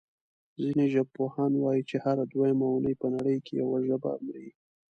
ځینې ژبپوهان وايي چې هره دویمه اوونۍ په نړۍ کې یوه ژبه مري.